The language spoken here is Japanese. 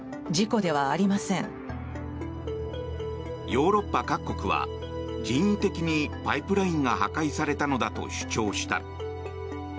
ヨーロッパ各国は人為的にパイプラインが破壊されたのだと主張した。